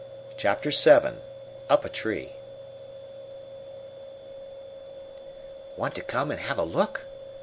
Chapter VII Up a Tree "Want to come and have a look?"